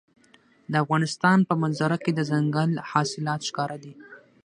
د افغانستان په منظره کې دځنګل حاصلات ښکاره دي.